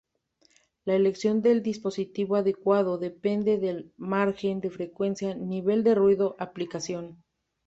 La elección del dispositivo adecuado depende del margen de frecuencia, nivel de ruido, aplicación...